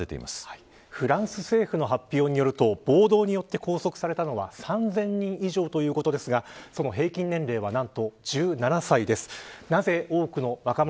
現地在住の日本人や旅行を計画しているの人にフランス政府の発表によると暴動によって拘束されたのは３０００人以上ということですがその平均年齢は何と１７歳です。